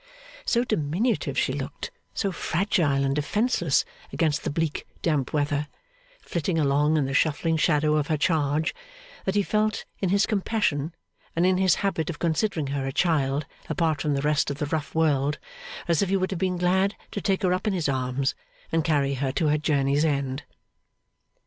So diminutive she looked, so fragile and defenceless against the bleak damp weather, flitting along in the shuffling shadow of her charge, that he felt, in his compassion, and in his habit of considering her a child apart from the rest of the rough world, as if he would have been glad to take her up in his arms and carry her to her journey's end.